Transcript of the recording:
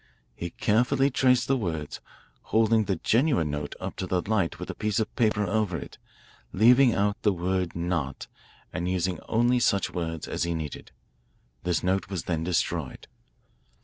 He carefully traced the words, holding the genuine note up to the light with a piece of paper over it, leaving out the word 'not' and using only such words as he needed. This note was then destroyed.